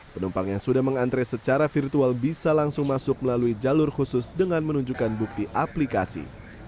penumpang yang sudah mengantre secara virtual bisa langsung masuk melalui jalur khusus dengan menunjukkan bukti aplikasi